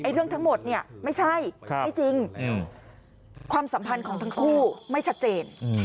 เรื่องทั้งหมดเนี่ยไม่ใช่ไม่จริงความสัมพันธ์ของทั้งคู่ไม่ชัดเจน